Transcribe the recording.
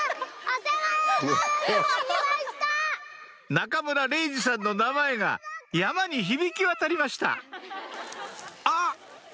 中村れいじさんの名前が山に響き渡りましたあっ！